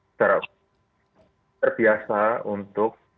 secara terbiasa untuk